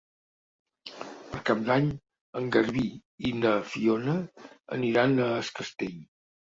Per Cap d'Any en Garbí i na Fiona aniran a Es Castell.